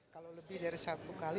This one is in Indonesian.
kalau lebih dari satu kali